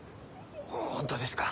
本当ですか？